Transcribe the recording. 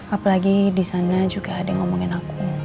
apalagi di sana juga ada yang ngomongin aku